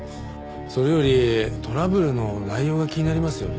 それよりトラブルの内容が気になりますよね。